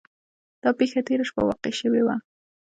دا پیښه تیره شپه واقع شوې وه.